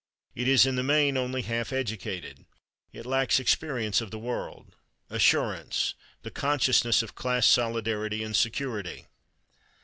It is, in the main, only half educated. It lacks experience of the world, assurance, the consciousness of class solidarity and security.